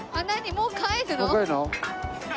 もう帰るの？